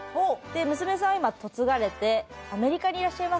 娘さんは今嫁がれてアメリカにいらっしゃいます。